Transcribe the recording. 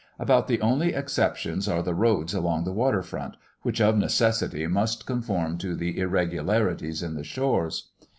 About the only exceptions are the roads along the waterfront, which of necessity must conform to the irregularities in the shores.